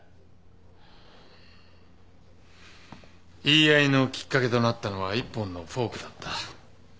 言い合いのきっかけとなったのは一本のフォークだった。